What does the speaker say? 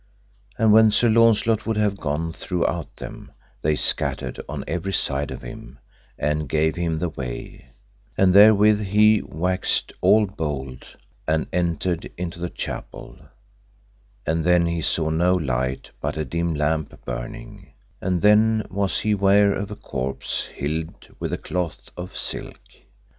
And when Sir Launcelot would have gone throughout them, they scattered on every side of him, and gave him the way, and therewith he waxed all bold, and entered into the chapel, and then he saw no light but a dim lamp burning, and then was he ware of a corpse hilled with a cloth of silk.